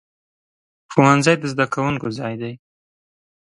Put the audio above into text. ښوونځی د زده کوونکو ځای دی.